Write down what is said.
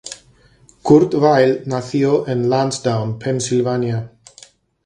Kurt Vile nació en Lansdowne, Pensilvania.